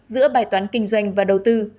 giữa bài toán kinh doanh và đầu tư